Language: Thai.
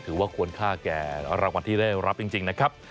ถือว่าควรค่าแก่รางวัลที่ได้รับจริงนะครับ